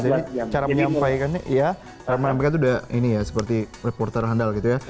jadi cara menyampaikan ini cara menampilkan itu udah ini ya seperti reporter handal gitu ya